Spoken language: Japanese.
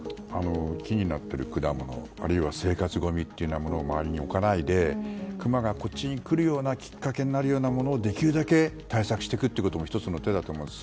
木になっている果物のあるいは生活ごみを周りに置かないでクマがこっちに来るようなきっかけになるようなものをできるだけ対策するというのも１つの手だと思います。